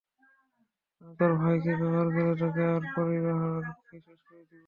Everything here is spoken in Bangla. আমি তোর ভাইকে ব্যবহার করে তোকে, আর তোর পরিবারকে শেষ করে দিবো।